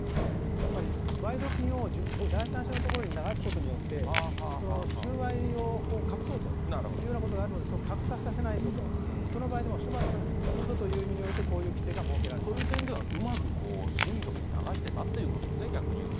つまり賄賂金を第三者のところに流すことによって、その収賄を隠そうというようなことがあるので、隠させないぞと、その場合でも処罰するぞという意味において、こういう規定が設けそういう点では、うまく親族に流してたということですね、逆に言うと。